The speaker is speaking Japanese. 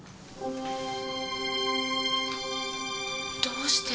どうして？